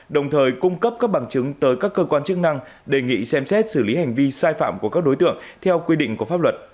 đồng thời cung cấp các bằng chứng tới các cơ quan chức năng đề nghị xem xét xử lý hành vi sai phạm của các đối tượng theo quy định của pháp luật